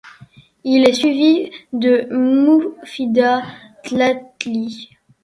Il est suivi de Moufida Tlatli.